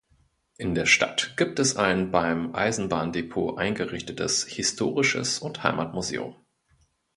In der Stadt gibt es ein beim Eisenbahndepot eingerichtetes "Historisches und Heimatmuseum".